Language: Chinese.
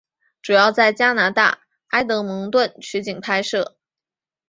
主要在加拿大埃德蒙顿取景拍摄。